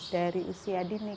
dari usia dinik